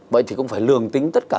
vậy thì cũng phải lường tính tất cả